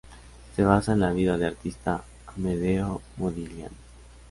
Se basa en la vida de artista Amedeo Modigliani.